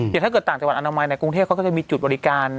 ถ้าเกิดต่างจังหวัดอนามัยในกรุงเทพเขาก็จะมีจุดบริการ